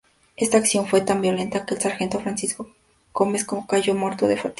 Esta acción fue tan violenta que el sargento Francisco Gómez cayó muerto de fatiga.